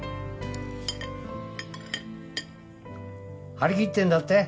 張り切ってるんだって？